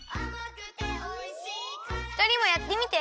ふたりもやってみて。